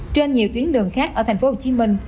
trên nhiều tuyến đường khác ở thành phố hồ chí minh